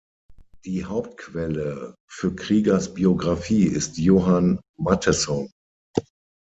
Die Hauptquelle für Kriegers Biographie ist Johann Mattheson.